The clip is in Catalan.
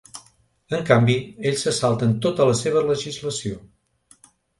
En canvi, ells se salten tota la seva legislació.